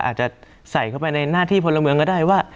อาจจะใส่เข้าไปในหน้าที่พลเมืองก็ได้ว่า